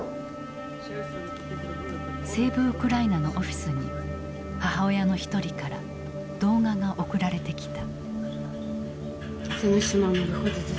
セーブ・ウクライナのオフィスに母親の一人から動画が送られてきた。